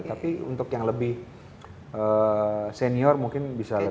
tapi untuk yang lebih senior mungkin bisa lebih